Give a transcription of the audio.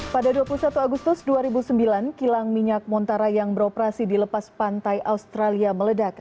pada dua puluh satu agustus dua ribu sembilan kilang minyak montara yang beroperasi di lepas pantai australia meledak